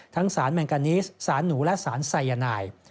สารแมงกานิสสารหนูและสารไซยานาย